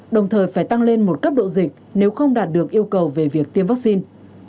đồng thời phải tăng lên một cấp độ dịch nếu không đạt được yêu cầu về việc tiêm vaccine